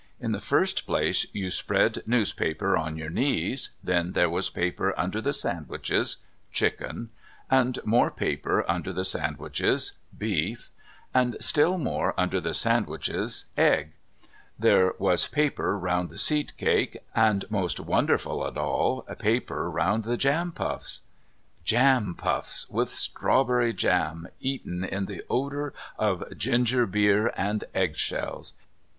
In the first place you spread newspaper on your knees, then there was paper under the sandwiches (chicken), and more paper under the sandwiches (beef), and still more under the sandwiches (egg); there was paper round the seed cake, and, most wonderful of all, paper round the jam puffs. Jam puffs with strawberry jam eaten in the odour of ginger beer and eggshells!